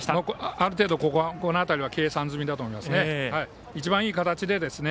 ある程度、この当たりは計算済みだと思いますね。